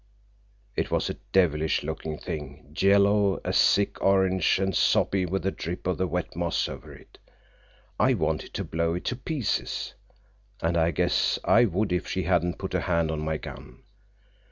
It was a devilish looking thing, yellow as a sick orange and soppy with the drip of the wet moss over it. I wanted to blow it to pieces, and I guess I would if she hadn't put a hand on my gun.